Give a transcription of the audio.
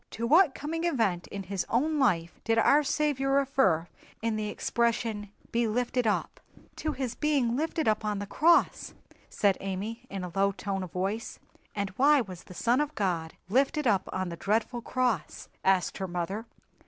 "To what coming event in his own life did our Saviour refer in the expression 'be lifted up'?" "To His being lifted up on the cross," said Amy, in a low tone of voice. "And why was the Son of God lifted up on the dreadful cross?" asked her mother.